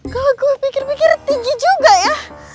kok gue pikir pikir tinggi juga ya